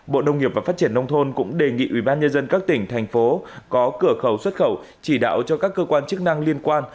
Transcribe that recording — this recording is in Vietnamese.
bộ nông nghiệp và phát triển nông thôn cũng đề nghị ubnd các tỉnh thành phố có cửa khẩu xuất khẩu chỉ đạo cho các cơ quan chức năng liên quan